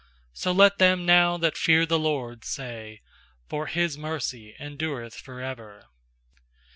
4So let them now that fear the* LORD say, For His mercy endureth for ever.